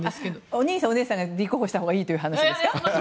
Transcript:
お兄さん、お姉さんが立候補したほうがいいという話ですか？